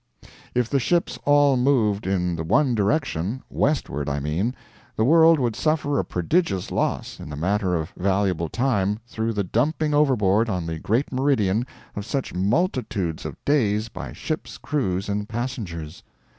If the ships all moved in the one direction westward, I mean the world would suffer a prodigious loss in the matter of valuable time, through the dumping overboard on the Great Meridian of such multitudes of days by ships crews and passengers.